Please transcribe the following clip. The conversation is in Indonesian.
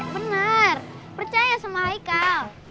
bener percaya sama haikal